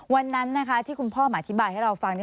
วันนั้นที่คุณพ่อมาอธิบายให้เราฟัง